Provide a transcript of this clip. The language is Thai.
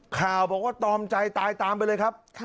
ข่าวบอกว่าตอมใจตายตามไปเลยครับ